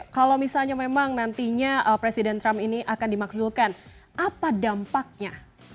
kalau misalnya memang nantinya presiden trump ini akan dimakzulkan apa dampaknya